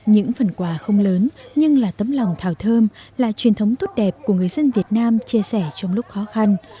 những phần quà không lớn nhưng là tấm lòng thảo thơm là truyền thống tốt đẹp của người dân việt nam chia sẻ trong lúc khó khăn